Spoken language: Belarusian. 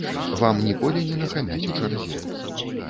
Вам ніколі не нахамяць у чарзе.